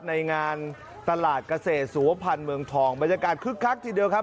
ในงานตลาดเกษตรสุวพันธ์เมืองทองบรรยากาศคึกคักทีเดียวครับ